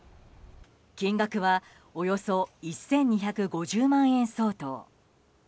金額はおよそ１２５０万円相当。